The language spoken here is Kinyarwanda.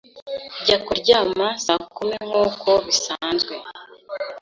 Njya kuryama saa kumi nkuko bisanzwe